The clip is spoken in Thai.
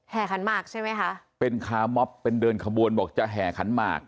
ขันหมากใช่ไหมคะเป็นคาร์มอบเป็นเดินขบวนบอกจะแห่ขันหมาก